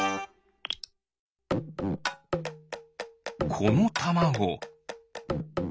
このたまご。